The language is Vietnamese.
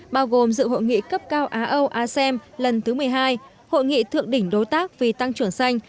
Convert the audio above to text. bao gồm dự hội nghị cấp cao á âu asem lần thứ một mươi hai hội nghị thượng đỉnh đối tác vì tăng trưởng xanh